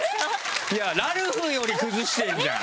ラルフより崩してるじゃん。